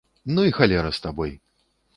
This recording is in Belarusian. Ну і халера з табой!